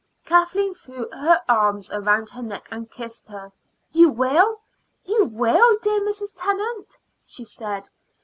Kathleen threw her arms round her neck and kissed her. "You will you will, dear Mrs. Tennant," she said.